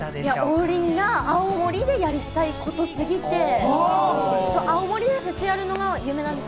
王林が青森でやりたいことすぎて、青森でフェスやるのが夢なんです。